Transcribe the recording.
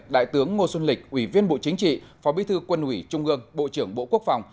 đại tướng ngô xuân lịch ủy viên bộ chính trị phó bí thư quân ủy trung ương bộ trưởng bộ quốc phòng